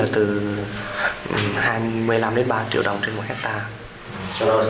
từ hai mươi năm đến ba triệu đồng trên một hectare